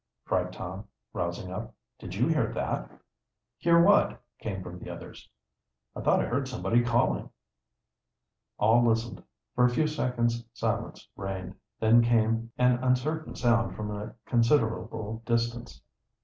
cried Tom, rousing up. "Did you hear that?" "Hear what?" came from the others. "I thought I heard somebody calling." All listened. For a few seconds silence reigned, then came an uncertain sound from a considerable distance.